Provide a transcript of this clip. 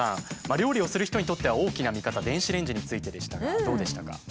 料理をする人にとっては大きな味方電子レンジについてでしたがどうでしたか？